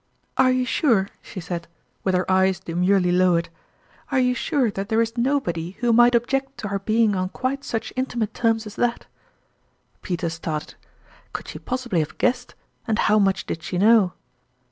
" Are you sure," she said, with her eyes demurely lowered are you sure that there is nobody who might object to our being on quite such intimate terms as that ?" Peter started. Could she possibly have guessed, and how much did she know